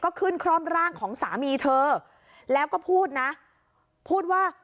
ก็ขึ้นคร่อมร่างของสามีเธอแล้วก็พูดนะพูดว่า